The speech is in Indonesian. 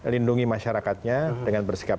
lindungi masyarakatnya dengan bersikap